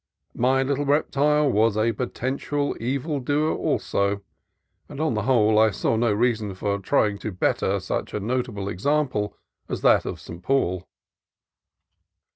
My little reptile was a potential evil doer also, and on the whole I saw no reason for trying to better such a notable example as that of St. Paul.